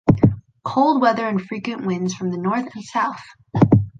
Cold weather and frequent winds from the north and south.